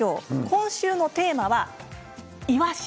今週のテーマはイワシ。